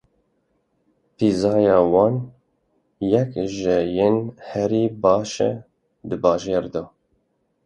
Pîzaya wan yek ji yên herî baş e di bajêr de.